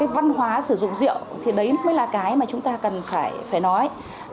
văn hóa sử dụng rượu thì đấy mới là cái mà chúng ta cần phải nói